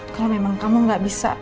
kalau memang kamu gak bisa